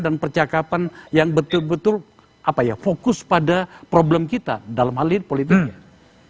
dan percakapan yang betul betul fokus pada problem kita dalam hal politiknya